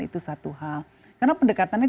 itu satu hal karena pendekatannya